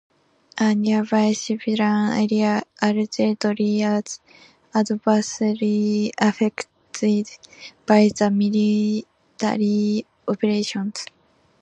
A nearby civilian area allegedly was adversely affected by the military operations.